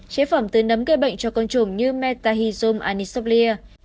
chế phẩm từ nấm gây bệnh cho côn trùng như metahizum anisoplia